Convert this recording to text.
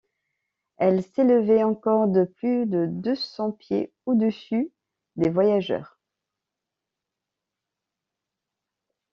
Elle s’élevait encore de plus de deux cents pieds au-dessus des voyageurs.